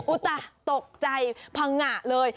อุ๊ตะตกใจพังงะเลย